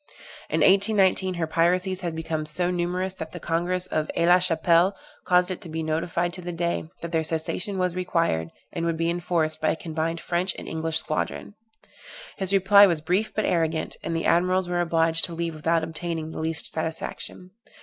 In 1819, her piracies had become so numerous that the Congress of Aix la Chapelle caused it to be notified to the Dey, that their cessation was required, and would be enforced, by a combined French and English squadron. His reply was brief and arrogant, and the admirals were obliged to leave without obtaining the least satisfaction.